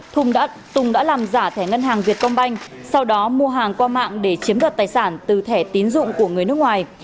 thùng đã làm giả thẻ ngân hàng việt công banh sau đó mua hàng qua mạng để chiếm đoạt tài sản từ thẻ tín dụng của người nước ngoài